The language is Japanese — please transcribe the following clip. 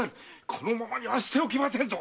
このままには捨て置きませぬぞ。